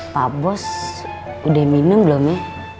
pak bos udah minum belum ya